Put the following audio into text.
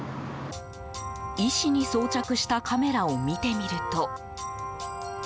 医師に装着したカメラを見てみると。